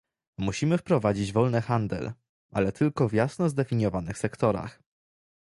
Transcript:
Musimy wprowadzić wolny handel, ale tylko w jasno zdefiniowanych sektorach